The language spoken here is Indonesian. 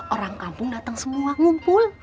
orang kampung datang semua ngumpul